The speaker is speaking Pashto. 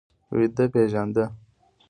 ودې پېژانده.